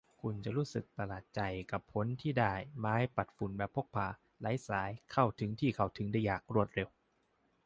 คุณจะรู้สึกประหลาดใจกับผลที่ได้ ไม้ปัดฝุ่นแบบพกพา ไร้สาย เข้าถึงที่เข้าถึงได้ยาก รวดเร็ว